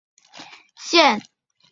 出生于伊利诺伊州杰佛逊县。